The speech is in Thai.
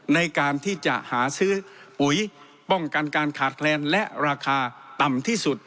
ในการที่จะหาซื้อปุ๋ยป้องกันการขาดแคลนและราคาต่ำที่สุด